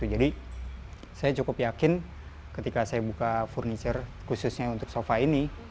jadi saya cukup yakin ketika saya buka furniture khususnya untuk sofa ini